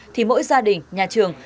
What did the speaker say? thì mỗi gia đình nhà trường